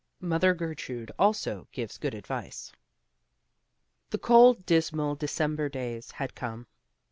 MOTHER GERTRUDE ALSO GIVES GOOD ADVICE. The cold, dismal December days had come.